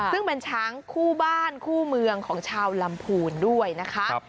ซึ่งเป็นช้างคู่บ้านคู่เมืองของชาวลำพูนด้วยนะคะ